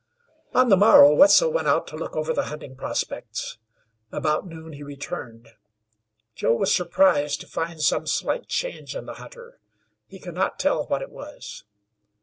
On the morrow Wetzel went out to look over the hunting prospects. About noon he returned. Joe was surprised to find some slight change in the hunter. He could not tell what it was.